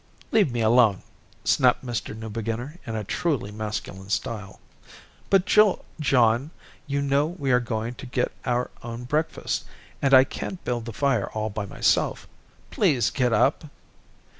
"Leave me alone," snapped Mr. Newbeginner in a truly masculine style. "But Jul John, you know we are going to get our own breakfast, and I can't build the fire all by myself. Please get up."